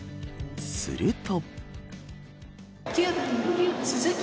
すると。